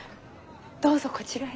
どうぞこちらへ。